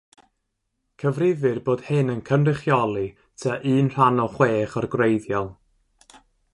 Cyfrifir bod hyn yn cynrychioli tua un rhan o chwech o'r gwreiddiol.